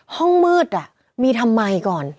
ห้องมืดมีทำไมก่อน